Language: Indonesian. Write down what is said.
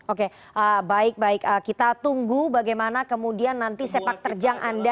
oke baik baik kita tunggu bagaimana kemudian nanti sepak terjang anda